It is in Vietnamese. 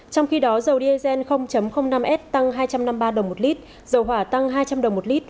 trong khi đó dầu diesel năm s tăng hai trăm năm mươi ba đồng một lít dầu hỏa tăng hai trăm linh đồng một lít